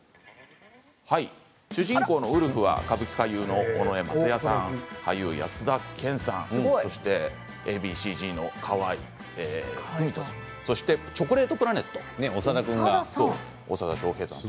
主人公のウルフは歌舞伎俳優の尾上松也さん俳優、安田顕さんそしてＡ．Ｂ．Ｃ−Ｚの河合郁人さんそしてチョコレートプラネットの長田庄平さん。